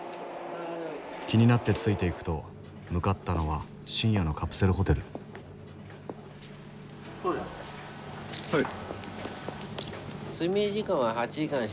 気になってついていくと向かったのは深夜のカプセルホテルはい。